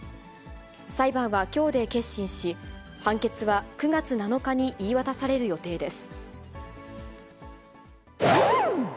裁判はきょうで結審し、判決は９月７日に言い渡される予定です。